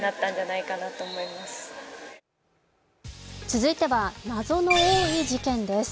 続いては謎の多い事件です。